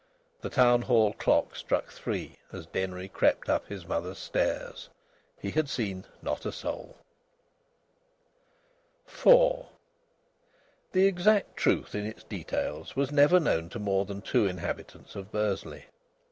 The Town Hall clock struck three as Denry crept up his mother's stairs. He had seen not a soul. IV The exact truth in its details was never known to more than two inhabitants of Bursley.